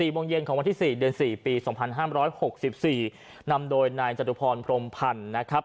โมงเย็นของวันที่๔เดือน๔ปี๒๕๖๔นำโดยนายจตุพรพรมพันธ์นะครับ